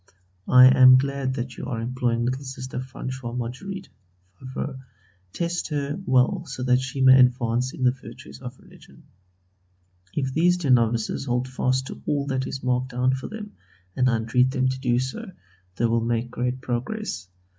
I am glad that you are employing little Sister Françoise Marguerite (Favrot). Test her well so that she may advance in the virtues of religion. If these dear novices hold fast to all that is marked down for them, and I entreat them to do so, they will make great progress.